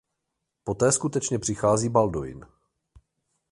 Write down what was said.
Poté skutečně přichází Balduin.